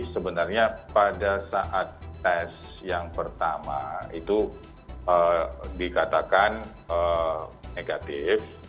sebenarnya pada saat tes yang pertama itu dikatakan negatif